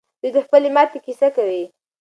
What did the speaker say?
دوی د خپلې ماتې کیسه کوي.